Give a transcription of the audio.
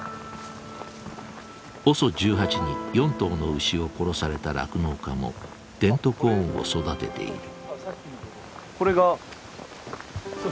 ＯＳＯ１８に４頭の牛を殺された酪農家もデントコーンを育てている。